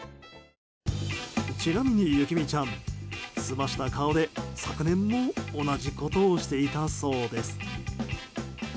ちなみに、ゆきみちゃん澄ました顔で昨年も同じことをしていたそうです。